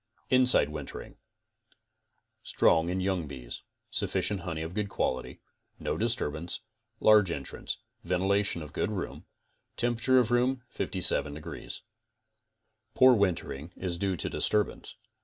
Inside Wintering: ; Strong in young bees. Sufficient honey of good quality. No disturbance. Large entrance. Ventilation of room good. Tem perature of room 57 degrees. , Poor wintering is due to disturbance.